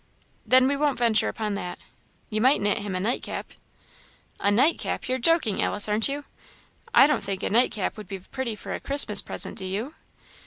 "Then, we won't venture upon that. You might knit him a nightcap." "A nightcap? you're joking, Alice, aren't you? I don't think a nightcap would be pretty for a Christmas present do you?"